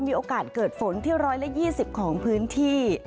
มีโอกาสเกิดฝนที่๑๒๐ของพื้นที่